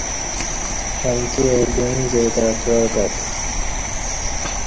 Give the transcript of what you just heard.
امکی اہ دعیں جائی تہ پعاتت